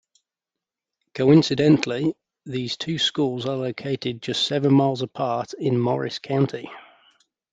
Coincidentally, these two schools are located just seven miles apart in Morris County.